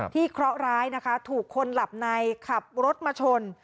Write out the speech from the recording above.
เคราะห์ร้ายนะคะถูกคนหลับในขับรถมาชน